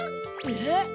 えっ？